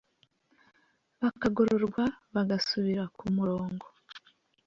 bakagororwa bagasubira ku murongo